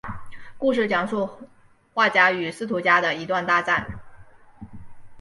故事讲述华家与司徒家的一段大战。